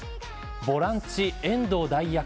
ボランチ遠藤代役